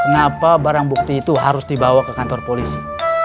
kenapa barang bukti itu harus dibawa ke kantor polisi